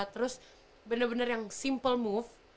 terus bener bener yang simple move